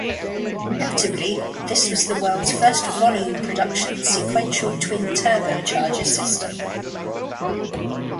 Notably, this was the world's first volume-production sequential twin turbocharger system.